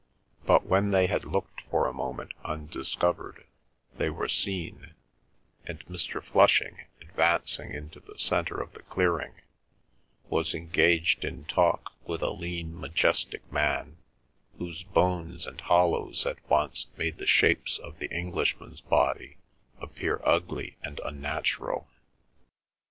But when they had looked for a moment undiscovered, they were seen, and Mr. Flushing, advancing into the centre of the clearing, was engaged in talk with a lean majestic man, whose bones and hollows at once made the shapes of the Englishman's body appear ugly and unnatural.